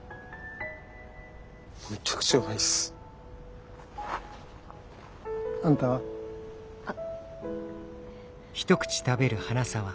めちゃくちゃうまいっす。あんたは？あっ。